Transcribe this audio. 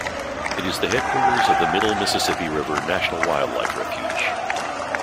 It is the headquarters of the Middle Mississippi River National Wildlife Refuge.